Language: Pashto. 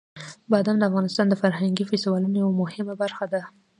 بادام د افغانستان د فرهنګي فستیوالونو یوه مهمه برخه ده.